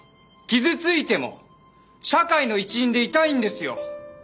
傷ついても社会の一員でいたいんですよ。